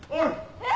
えっ？